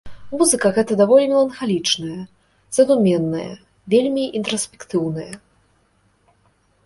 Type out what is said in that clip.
Музыка гэта даволі меланхалічная, задуменная, вельмі інтраспектыўная.